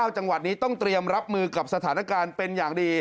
จังหวัดนี้ต้องเตรียมรับมือกับสถานการณ์เป็นอย่างดี